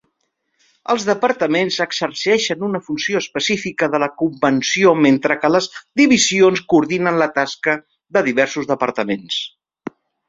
Els "departaments" exerceixen una funció específica de la convenció, mentre que les "divisions" coordinen la tasca de diversos departaments.